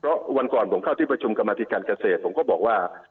เพราะวันก่อนผมเข้าที่ประชุมกรรมธิการเกษตรผมก็บอกว่า